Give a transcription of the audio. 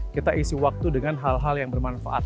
kita isi waktu dengan hal hal yang bermanfaat